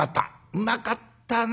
うまかったね。